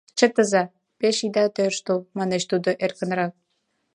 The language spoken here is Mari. — Чытыза, пеш ида тӧрштыл, — манеш тудо эркынрак.